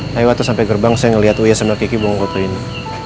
tadi waktu sampai gerbang saya ngeliat uya sama kiki buang foto ini